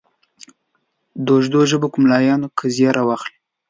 دوزبکو د ملایانو قضیه راواخلې.